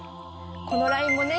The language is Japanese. このラインもね